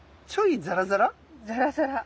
ザラザラ。